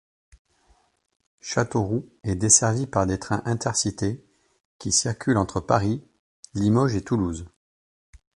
Châteauroux est desservie par des trains Intercités, qui circulent entre Paris, Limoges et Toulouse.